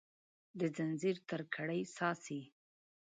د ځنځیر تر کړۍ څاڅي